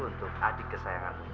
untuk adik kesayanganmu